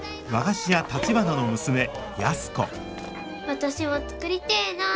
私も作りてえなあ。